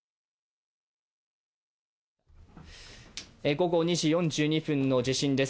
午後２時４２分の地震です。